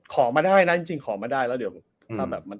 ขอมาได้นะจริงขอมาได้แล้วเดี๋ยว